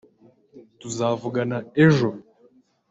Tuzavugana ejo